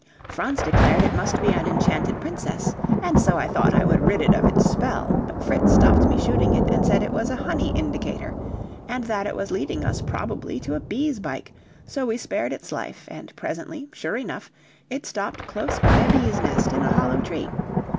Franz declared it must be an enchanted princess, and so I thought I would rid it of its spell; but Fritz stopped me shooting it, and said it was a 'Honey Indicator,' and that it was leading us probably to a bees' byke, so we spared its life, and presently, sure enough, it stopped close by a bees' nest in a hollow tree.